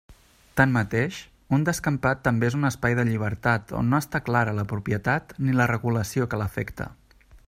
Tanmateix, un descampat també és un espai de llibertat on no està clara la propietat ni la regulació que l'afecta.